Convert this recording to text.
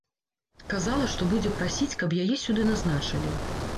Казала, што будзе прасіць, каб яе сюды назначылі.